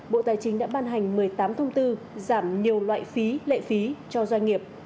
bộ tài chính đã ban hành một mươi tám thông tư giảm nhiều loại phí lệ phí cho doanh nghiệp